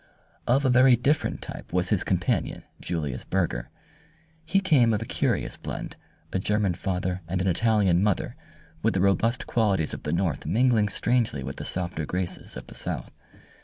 Of a very different type was his companion, Julius Burger. He came of a curious blend, a German father and an Italian mother, with the robust qualities of the North mingling strangely with the softer graces of the South.